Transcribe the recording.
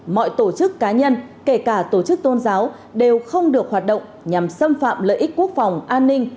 mọi tổ chức cá nhân kể cả tổ chức tôn giáo đều không được hoạt động nhằm xâm phạm lợi ích quốc phòng an ninh